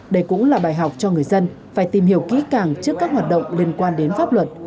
đây cũng là bài học cho người dân phải tìm hiểu kỹ càng trước các hoạt động liên quan đến pháp luật